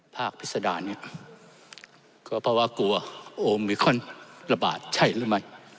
พิษดาเนี่ยก็เพราะว่ากลัวโอมิคอนระบาดใช่หรือไม่